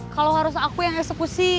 kalau harus aku yang eksekusi